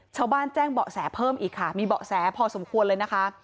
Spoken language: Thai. แจ้งเบาะแสเพิ่มอีกค่ะมีเบาะแสพอสมควรเลยนะคะ